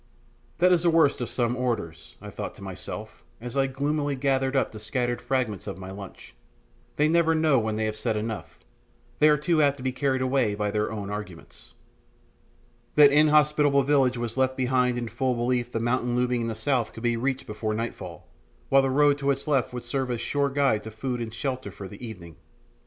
That is the worst of some orators, I thought to myself, as I gloomily gathered up the scattered fragments of my lunch; they never know when they have said enough, and are too apt to be carried away by their own arguments. That inhospitable village was left behind in full belief the mountain looming in the south could be reached before nightfall, while the road to its left would serve as a sure guide to food and shelter for the evening.